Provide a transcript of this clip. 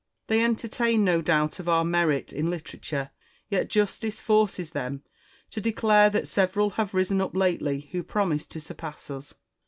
They entertain no doubt of our merit in literature; yet justice forces them to declare that several have risen up lately who promise to surpass us.